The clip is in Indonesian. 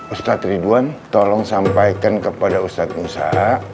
ustad ridwan tolong sampaikan kepada ustad musa